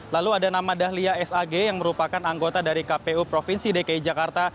lalu ada nama dahlia sag yang merupakan anggota dari kpu provinsi dki jakarta